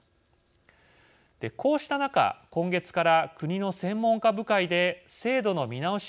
こうした中今月から国の専門家部会で制度の見直し